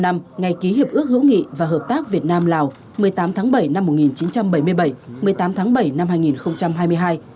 bảy mươi năm ngày ký hiệp ước hữu nghị và hợp tác việt nam lào một mươi tám tháng bảy năm một nghìn chín trăm bảy mươi bảy một mươi tám tháng bảy năm hai nghìn hai mươi hai